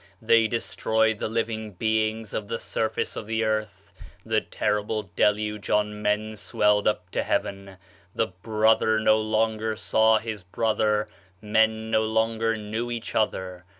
[they destroyed] the living beings of the surface of the earth. The terrible [Deluge] on men swelled up to [heaven]. The brother no longer saw his brother; men no longer knew each other.